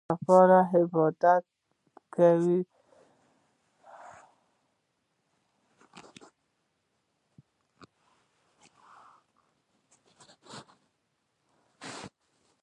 بامیان ته خامخا لاړ شئ.